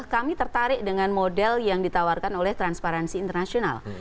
kami tertarik dengan model yang ditawarkan oleh transparansi internasional